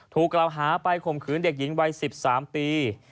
ถูกกล่าวหาไปข่มขืนเด็กหญิงวัย๑๓ปี